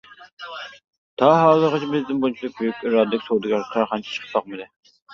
تا ھازىرغىچە بىزدىن بۇنچىلىك بۈيۈك ئىرادىلىك سودىگەر، كارخانىچى چىقىپ باقمىدى.